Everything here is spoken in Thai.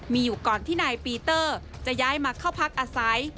มีอยู่ก่อนที่นายปีเตอร์จะย้ายมาเข้าพักอาศัย